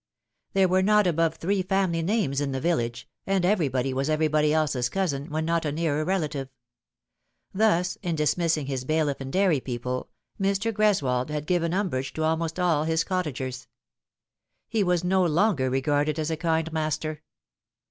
There weie not above three family names in the village, and everybody waa everybody else's cousin, when not a nearer relative. Thus, in dismissing his bailiff and dairy people, Mr. Greswold had given umbrage to almost all his cottagers. He was no longer regarded as a kind master.